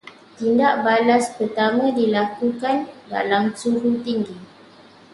Tindak balas pertama dilakukan dalam suhu tinggi